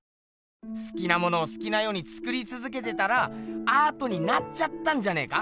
すきなものをすきなようにつくりつづけてたらアートになっちゃったんじゃねえか？